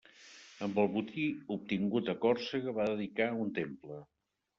Amb el botí obtingut a Còrsega va dedicar un temple.